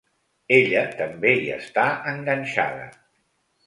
Ella també hi està enganxada.